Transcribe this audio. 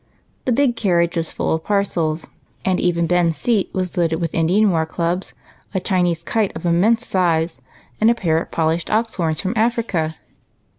The big carriage was full of parcels, and even Ben's seat was loaded with Indian war clubs, a Chinese kite of immense size, and a jDair of polished ox horns from Africa.